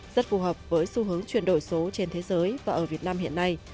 rất phù hợp với xu hướng chuyển đổi số trên thế giới và ở việt nam hiện nay